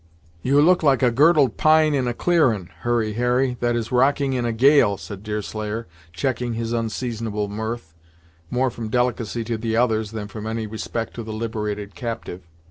"You look like a girdled pine in a clearin', Hurry Harry, that is rocking in a gale," said Deerslayer, checking his unseasonable mirth, more from delicacy to the others than from any respect to the liberated captive.